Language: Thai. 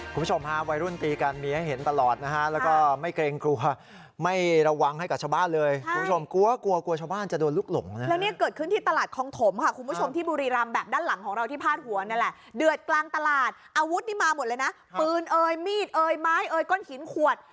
คุณผู้ชมฮะวัยรุ่นตีกันมีให้เห็นตลอดนะฮะแล้วก็ไม่เกรงกลัวไม่ระวังให้กับชาวบ้านเลยคุณผู้ชมกลัวกลัวกลัวชาวบ้านจะโดนลูกหลงนะแล้วเนี่ยเกิดขึ้นที่ตลาดคองถมค่ะคุณผู้ชมที่บุรีรำแบบด้านหลังของเราที่พาดหัวนี่แหละเดือดกลางตลาดอาวุธนี่มาหมดเลยนะปืนเอ่ยมีดเอ่ยไม้เอ่ยก้นหินขวด